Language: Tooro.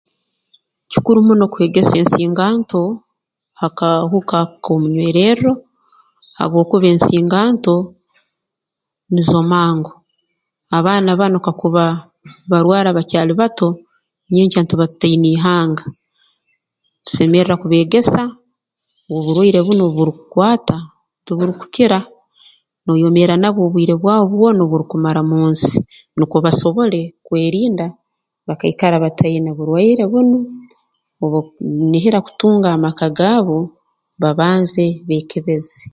Kikuru muno kwegesa ensingantu ha kahuka k'omunywererro habwokuba ensinganto nizo mango abaana banu kakuba barwara bakyali bato nyenkya ntuba tutaine ihanga ntusemerra kubeegesa oburwaire bunu obu burukukwata tuburukukira nooyomeera nabwo obwire bwawe bwona obu orukumara mu nsi nukwo basobole kwerinda bakaikara bataine burwaire bunu obu bakunihira kutunga amaka gaabo babanze beekebeze